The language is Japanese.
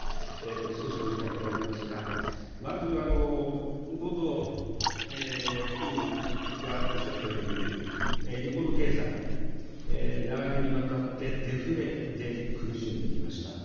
少しお時間いただきますが、まず冒頭、委員がおっしゃったように、日本の経済、長年にわたってデフレで苦しんできました。